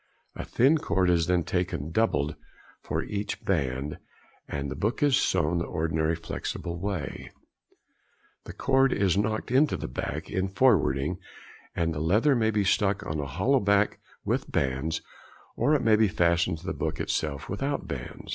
A thin cord is then taken doubled for each band, and the book is sewn the ordinary flexible way; the cord is knocked into the back in forwarding, and the leather may be stuck on a hollow back with bands, or it may be fastened to the back itself without bands.